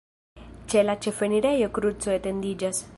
Ĉe la ĉefenirejo kruco etendiĝas.